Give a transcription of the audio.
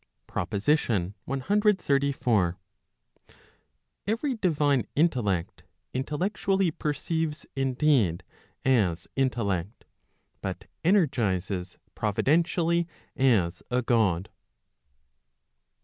PROPOSITION CXXXIV. Every divine intellect, intellectually perceives indeed, as intellect, but energizes providentially as a God.